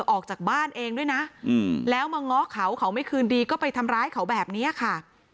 ออกจากบ้านเองด้วยนะแล้วมาง้อเขาเขาไม่คืนดีก็ไปทำร้ายเขาแบบนี้ค่ะ